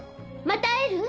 また会える？